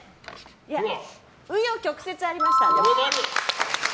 紆余曲折ありました。